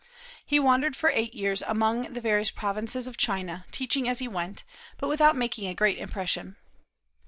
He wandered for eight years among the various provinces of China, teaching as he went, but without making a great impression.